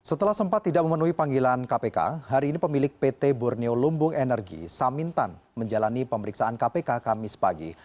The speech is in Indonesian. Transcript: setelah sempat tidak memenuhi panggilan kpk hari ini pemilik pt borneo lumbung energi samintan menjalani pemeriksaan kpk kamis pagi